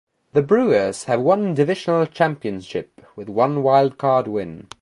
The Brewers have one divisional championship, with one wild card win.